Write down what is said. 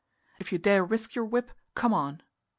"If you dare risk your whip, come on."